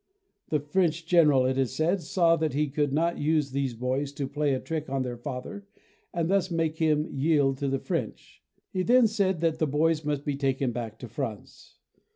The French general, it is said, saw that he could not use these boys to play a trick on their father and thus make him yield to the French. He then said that the boys must be taken back to France.